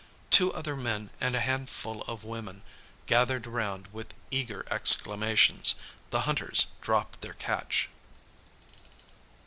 Two other men and a handful of women gathered around with eager exclamations. The hunters dropped their catch.